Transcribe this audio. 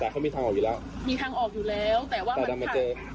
แต่เค้ามีทางออกอยู่แล้วมีทางออกอยู่แล้วแต่ว่ามันขาดอยู่แค่นิดเดียว